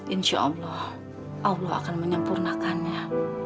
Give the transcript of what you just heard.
insya allah allah akan menyempurnakannya